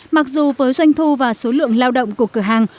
mặc dù với doanh thu và số lượng lao động của cửa hàng